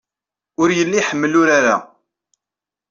Ur yelli iḥemmel urar-a.